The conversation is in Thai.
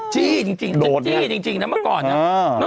จี้จริงจี้จริงนะเมื่อก่อนนะ